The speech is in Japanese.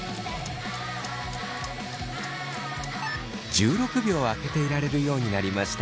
１６秒開けていられるようになりました。